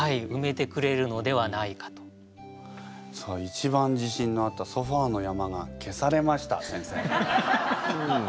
一番自信のあった「ソファーの山」が消されました先生。